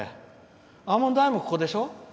アーモンドアイもここでしょ。